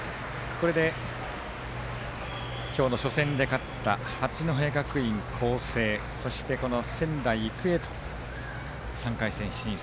これで今日の初戦で勝った八戸学院光星、そして仙台育英が３回戦進出。